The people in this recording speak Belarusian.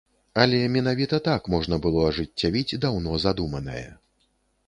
Але менавіта так можна было ажыццявіць даўно задуманае.